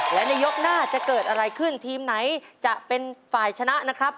และในยกหน้าจะเกิดอะไรขึ้นทีมไหนจะเป็นฝ่ายชนะนะครับ